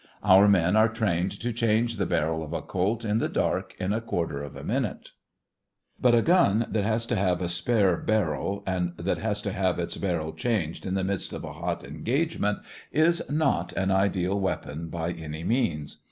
Our men are trained to change the barrel of a colt in the dark in a quarter of a minute. But a gun that has to have a spare barrel and that has to have its barrel changed in the midst of a hot engagement is not an ideal weapon, by any means.